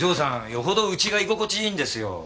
よほどうちが居心地いいんですよ。